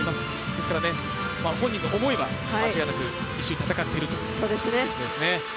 ですから本人の思いは、間違いなく一緒に戦っているということですね。